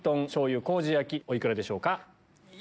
お幾らでしょうか？